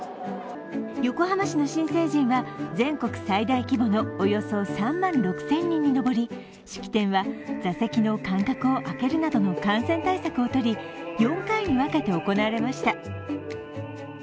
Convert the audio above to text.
横浜市の新成人は全国最大規模のおよそ３万６０００人に上り式典は座席の間隔を開けるなどの感染対策をとり、４回に分けて行われました。